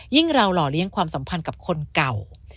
เราหล่อเลี้ยงความสัมพันธ์กับคนเก่า